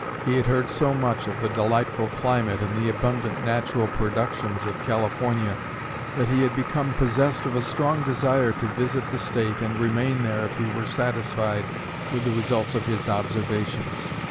He had heard so much of the delightful climate and the abundant natural productions of California that he had become possessed of a strong desire to visit the State and remain there if he were satisfied with the results of his observations.